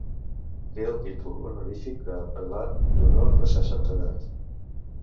Té el títol honorífic de Prelat d'Honor de Sa Santedat.